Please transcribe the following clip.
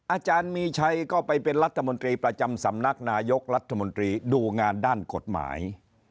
อาจารย์มีชัยก็ไปเป็นรัฐมนตรีประจำสำนักนายกรัฐมนตรีดูงานด้านกฎหมาย